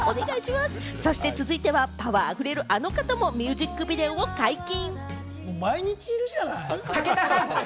そして続いてはパワーあふれるあの方もミュージックビデオを解禁。